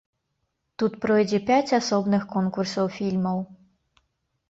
Тут пройдзе пяць асобных конкурсаў фільмаў.